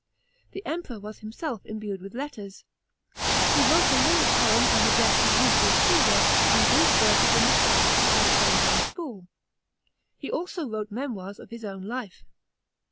The Emperor was himself imbued with letters. He wrote a lyric poem on the death of Lucius Caesar, and Greek verses in the style of the Alexandrine school. He also wrote memoirs of his own life.